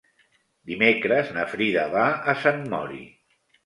Dimecres na Frida va a Sant Mori.